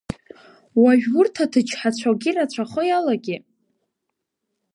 Уажәы урҭ аҭыџьҳацәагьы рацәахо иалагеит.